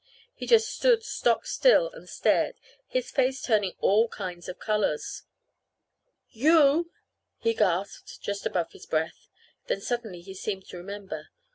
He just stood stock still and stared, his face turning all kinds of colors. "You?" he gasped, just above his breath. Then suddenly he seemed to remember.